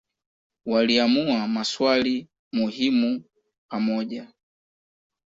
Waliamua maswali muhimu pamoja.